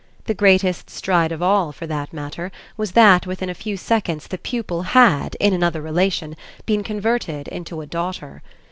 The greatest stride of all, for that matter, was that within a few seconds the pupil had, in another relation, been converted into a daughter.